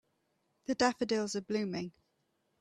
The daffodils are blooming.